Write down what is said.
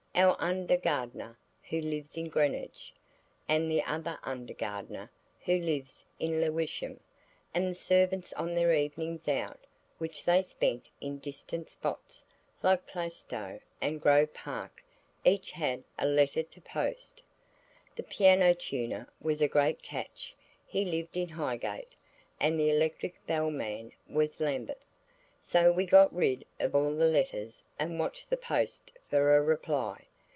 Our under gardener, who lives in Greenwich, and the other under gardener, who lives in Lewisham, and the servants on their evenings out, which they spent in distant spots like Plaistow and Grove Park–each had a letter to post. The piano tuner was a great catch–he lived in Highgate; and the electric bell man was Lambeth. So we got rid of all the letters, and watched the post for a reply.